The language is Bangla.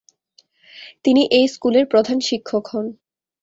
তিনি এই স্কুলের প্রধান শিক্ষক হন।